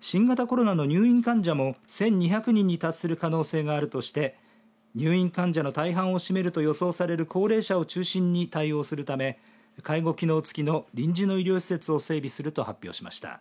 新型コロナの入院患者も１２００人に達する可能性があるとして入院患者の大半を占めると予想される高齢者を中心に対応するため介護機能つきの臨時の医療施設を整備すると発表しました。